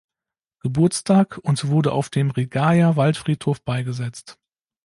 Geburtstag und wurde auf dem Rigaer Waldfriedhof beigesetzt.